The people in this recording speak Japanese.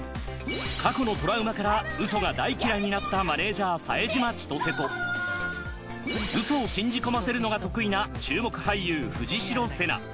過去のトラウマから嘘が大嫌いになったマネージャー冴島千歳と嘘を信じ込ませるのが得意な注目俳優藤代瀬那。